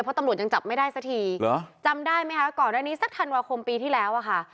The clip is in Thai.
เพราะตำรวจยังจับไม่ได้สักทีเหรอจำได้ไหมคะก่อนหน้านี้สักธันวาคมปีที่แล้วอะค่ะ